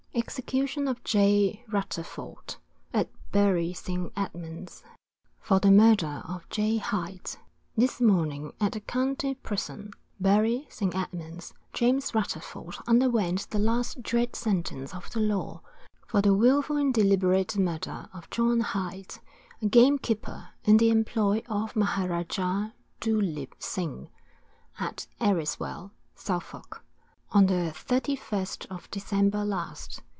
Execution of J. Rutterford, At Bury St. Edmunds, for the MURDER of J. HIGHT. This morning, at the county prison, Bury St. Edmunds, James Rutterford underwent the last dread sentence of the law, for the wilful and deliberate murder of John Hight, a gamekeeper, in the employ of Maharajah Dhuleep Singh, at Eriswell, Suffolk, on the 31st of December last.